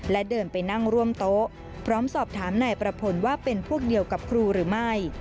และเดินไปนั่งร่วมโต๊ะพร้อมสอบถามนายประพลว่าเป็นพวกเดียวกับครูหรือไม่